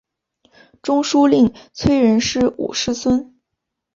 中书令崔仁师五世孙。